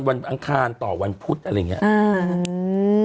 อังคารต่อวันพุธอะไรอย่างนี้